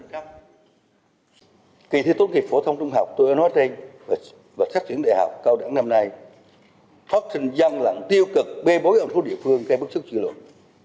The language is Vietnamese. kỳ thi tốt nghiệp phổ thông trung học tôi đã nói trên và xét tuyển đại học cao đẳng năm nay phát sinh dân lặng tiêu cực bê bối ở một số địa phương gây bức xúc dư luận